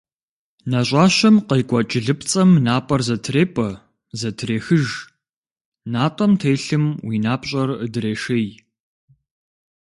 Нэщӏащэм къекӏуэкӏ лыпцӏэм напӏэр зэтрепӏэ, зэтрехыж, натӏэм телъым уи напщӏэр дрешей.